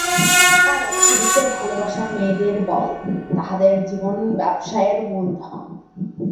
কারণ, পুরুষের ভালোবাসাই মেয়েদের বল, তাহাদের জীবনব্যবসায়ের মূলধন।